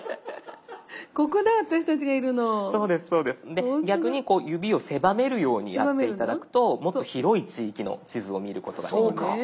で逆に指を狭めるようにやって頂くともっと広い地域の地図を見ることができます。